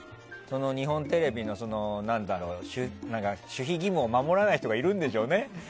日本テレビの守秘義務を守らない人がいるんでしょうね。